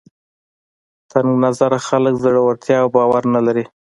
تنګ نظره خلک زړورتیا او باور نه لري